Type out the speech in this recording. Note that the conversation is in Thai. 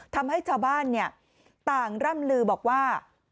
ทำให้ชาวบ้านต่างร่ำลือบอกว่า